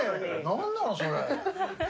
何なのそれ。